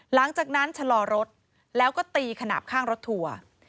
หลังจากนั้นชะลอรถแล้วก็ตีขนาดข้างรถทัวร์